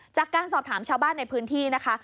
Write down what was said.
จากการสอบถามชาวบ้านในพื้นที่นะคะ